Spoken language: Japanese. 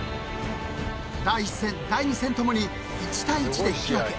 ［第１戦第２戦ともに１対１で引き分け］